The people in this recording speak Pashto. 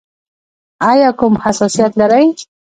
ایا کوم حساسیت لرئ؟